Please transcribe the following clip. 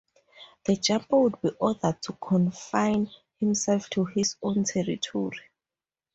The jumper would be ordered to confine himself to his own territory.